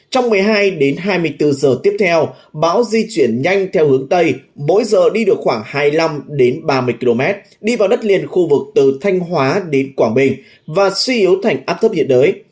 trong một mươi hai hai mươi bốn giờ tiếp theo bão di chuyển nhanh theo hướng tây mỗi giờ đi được khoảng hai mươi năm ba mươi km đi vào đất liền khu vực từ thanh hóa đến quảng bình và suy yếu thành áp thấp nhiệt đới